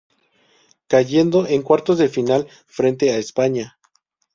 Cayendo en cuartos de final frente a España.